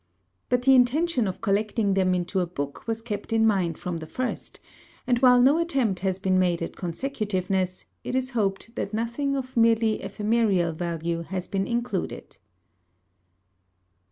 But the intention of collecting them into a book was kept in mind from the first; and while no attempt has been made at consecutiveness, it is hoped that nothing of merely ephemeral value has been included.